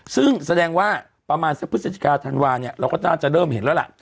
ซึ่งแสดงว่าประมาณสักพฤศจิกาธันวาเนี่ยเราก็น่าจะเริ่มเห็นแล้วล่ะ